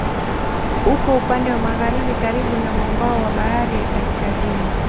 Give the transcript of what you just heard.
Uko upande wa magharibi karibu na mwambao wa Bahari ya Kaskazini.